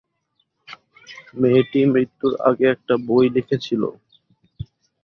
মেয়েটি মৃত্যুর আগে একটা বই লিখেছিল।